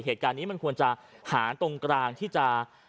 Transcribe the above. เหตุการณ์นี้มันควรจะหาตรงกลางที่จะ